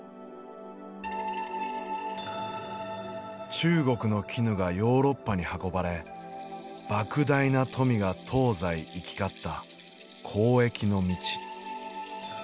中国の絹がヨーロッパに運ばればく大な富が東西行き交った交易の道。